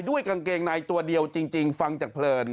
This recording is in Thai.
กางเกงในตัวเดียวจริงฟังจากเพลิน